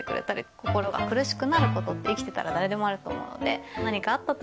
心が苦しくなることって生きてたら誰でもあると思うので。